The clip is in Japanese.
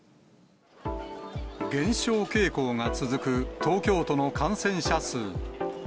減少傾向が続く東京都の感染者数。